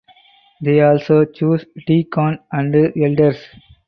They also chose deacons and elders.